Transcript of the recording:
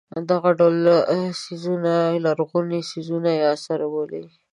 دغه ډول څیزونه لرغوني څیزونه یا اثار بولي.